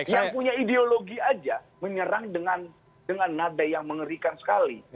yang punya ideologi aja menyerang dengan nada yang mengerikan sekali